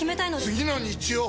次の日曜！